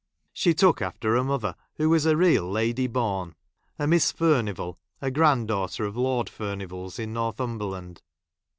She took after her mother, who was a real lady born ; a Miss Furnivall, a granddaughter of Lord Eurnivall's in Northumberland.